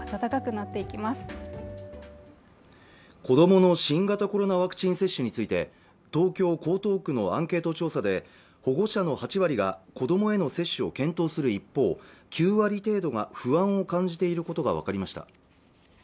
子どもの新型コロナワクチン接種について東京江東区のアンケート調査で保護者の８割が子どもへの接種を検討する一方９割程度が不安を感じていることが分かりました